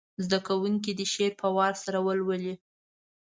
زده کوونکي دې شعر په وار سره ولولي.